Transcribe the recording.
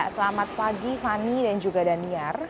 selamat pagi fani dan juga daniar